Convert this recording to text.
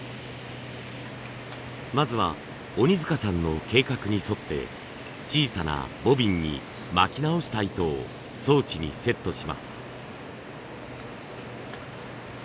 まずは鬼塚さんの計画に沿って小さなボビンにまき直した糸を装置にセットします。